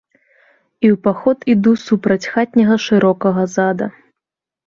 І ў паход іду супраць хатняга шырокага зада.